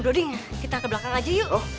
broding kita ke belakang aja yuk